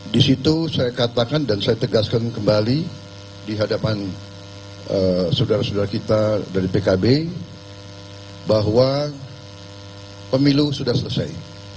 di situ saya katakan dan saya tegaskan kembali di hadapan saudara saudara kita dari pkb bahwa pemilu sudah selesai